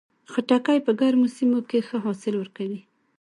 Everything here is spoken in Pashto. خټکی په ګرمو سیمو کې ښه حاصل ورکوي.